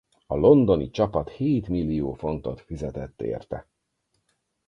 A londoni csapat hétmillió fontot fizetett érte.